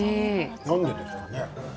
なんでですかね？